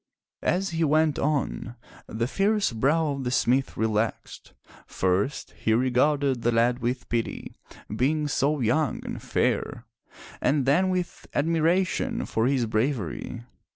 As he went on, the fierce brow of the smith relaxed. First, he regarded the lad with pity, being so young and fair, and then with admiration for his bravery.